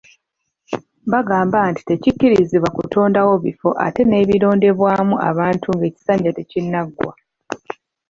Bagamba nti tekikkirizibwa kutondawo bifo ate nebirondebwamu abantu ng'ekisanja tekinnagwako.